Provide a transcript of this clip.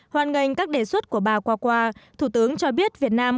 hoàn ngành các đề xuất của bà qua thủ tướng cho biết việt nam